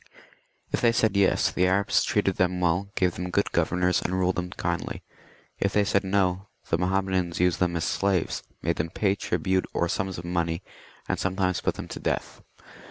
If they said Tes, the Arabs treated them well, gave them good governors, and ruled them kindly. If they said No, the Mahommedans used them as slaves, made them pay tribute, or sums of money, and sometimes put them to death.